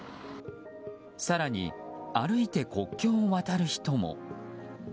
更に歩いて国境を渡る人も。